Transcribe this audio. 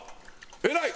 偉い！